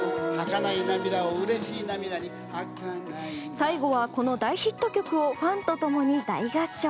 最後は、この大ヒット曲をファンと共に大合唱。